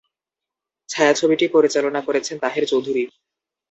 ছায়াছবিটি পরিচালনা করেছেন তাহের চৌধুরী।